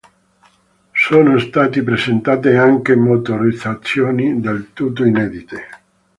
Sono stati presentate anche motorizzazioni del tutto inedite.